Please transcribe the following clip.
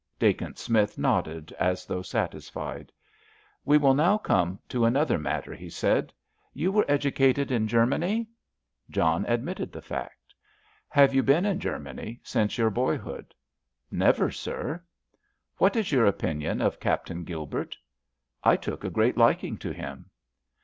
Dacent Smith nodded, as though satisfied. "We will now come to another matter," he said. "You were educated in Germany?" John admitted the fact. "Have you been in Germany since your boyhood?" "Never, sir." "What is your opinion of Captain Gilbert?" "I took a great liking to him."